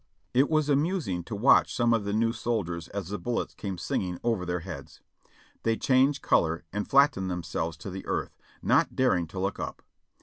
It was amusing to watch some of the new soldiers as the bullets came singing over their heads : they changed color and flattened themselves to the earth, not daring to look up.